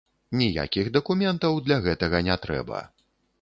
Ніякіх дакументаў для гэтага не трэба.